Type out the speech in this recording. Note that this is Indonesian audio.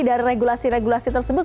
dari regulasi regulasi tersebut